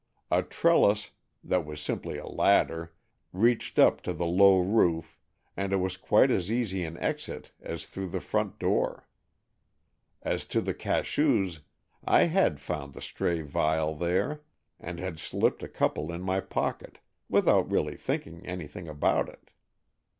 A trellis, that was simply a ladder, reached up to the low roof, and it was quite as easy an exit as through the front door. As to the cachous, I had found the stray vial there, and had slipped a couple in my pocket, without really thinking anything about it.